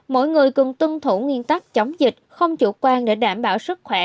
mỗi người cần tân thủ nguyên tắc chống dịch không chủ quan để đảm bảo sức khỏe